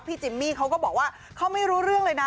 จิมมี่เขาก็บอกว่าเขาไม่รู้เรื่องเลยนะ